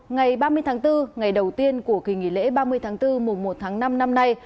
ngày ba mươi tháng bốn ngày đầu tiên của kỳ nghỉ lễ ba mươi tháng bốn mùa một tháng năm năm nay